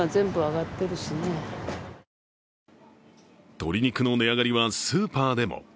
鶏肉の値上がりはスーパーでも。